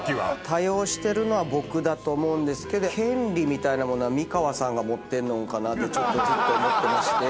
多用してるのは僕だと思うんですけど権利みたいなものは美川さんが持ってんのかなってずっと思ってまして。